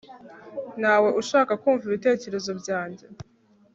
ntawe ushaka kumva ibitekerezo byanjye